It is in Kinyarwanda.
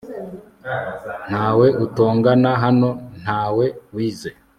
ntawe utongana hano, ntawe wize